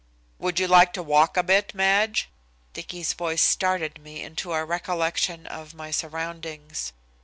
"Would you like to walk a bit, Madge?" Dicky's voice started me into a recollection of my surroundings.